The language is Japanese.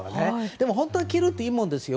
でも、本当にキルトっていいものですよ。